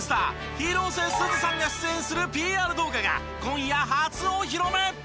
広瀬すずさんが出演するＰＲ動画が今夜初お披露目！